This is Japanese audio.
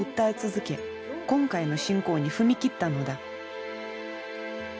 今回の侵攻に踏み切ったのだ。